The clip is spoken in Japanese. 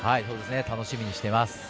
楽しみにしてます。